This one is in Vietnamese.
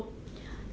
thông tin vừa rồi